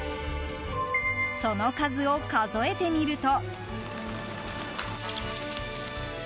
その数を数えてみると。